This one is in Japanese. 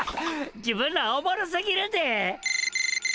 自分らおもろすぎるで！